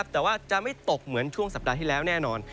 แต่ว่าจะไม่ตกเหมือนช่วงสัปดาห์ที่แล้วแน่นอน